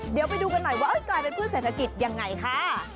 เดี๋ยวไปดูกันหน่อยว่ากลายเป็นพืชเศรษฐกิจยังไงค่ะ